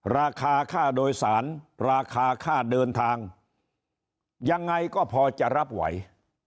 ราคาค่าโดยสารราคาค่าเดินทางยังไงก็พอจะรับไหว